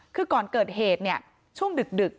คือก่อนเกิดเหตุเนี่ยช่วงดึก